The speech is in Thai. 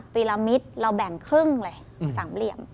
ละมิตรเราแบ่งครึ่งเลยสามเหลี่ยม